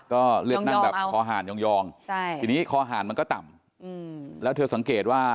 ก็เลือกนั่งแบบคอห่านยองทีนี้คอหารมันก็ต่ำแล้วเธอสังเกตว่า